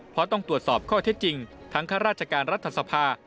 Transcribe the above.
เพราะต้องตรวจสอบข้อเท็จจริงทั้งข้าราชการรัฐสภา